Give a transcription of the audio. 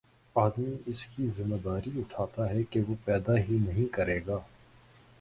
آدمی اس کی ذمہ داری اٹھاتا ہے کہ وہ پیدا ہی نہیں کرے گا